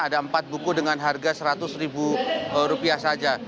ada empat buku dengan harga seratus ribu rupiah saja